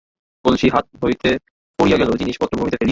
কলসী হাত হইতে পড়িয়া গেল, জিনিষ পত্র ভূমিতে ফেলিয়া দিল।